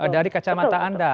dari kacamata anda